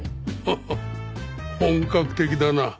ハハッ本格的だな。